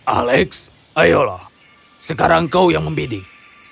alex ayolah sekarang kau yang membidik